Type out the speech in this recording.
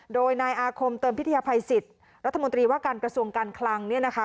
โดยนายอาคมเติมพิทยาภัยสิทธิ์รัฐมนตรีว่าการกระทรวงการคลัง